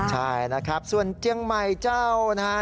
ใช่นะครับส่วนเจียงใหม่เจ้านะฮะ